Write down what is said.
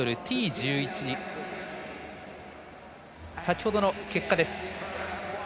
１１先ほどの結果です。